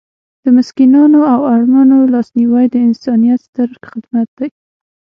د مسکینانو او اړمنو لاسنیوی د انسانیت ستر خدمت دی.